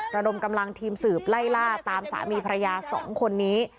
ระดมกำลังทีมสืบไล่ล่าตามสามีภรรยา๒คนนี้